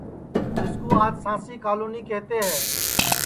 جِسکُو آج سانٚسی کالونی کیہتے ہے